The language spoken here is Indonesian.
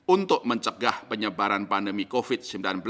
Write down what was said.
untuk mencegah penyebaran pandemi covid sembilan belas